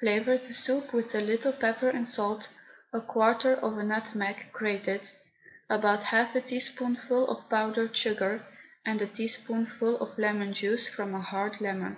Flavour the soup with a little pepper and salt, a quarter of a nutmeg, grated, about half a teaspoonful of powdered sugar, and a teaspoonful of lemon juice from a hard lemon.